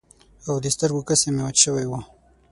او د سترګو کسی مې وچ شوي وو.